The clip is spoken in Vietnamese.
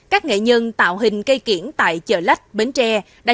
các nghệ nhân tạo hình cây kiển tại chợ lách bến tre